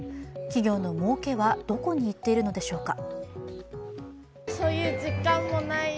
企業のもうけは、どこにいっているのでしょうか。